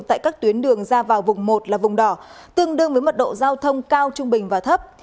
tại các tuyến đường ra vào vùng một là vùng đỏ tương đương với mật độ giao thông cao trung bình và thấp